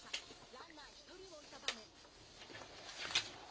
ランナー１人を置いた場面。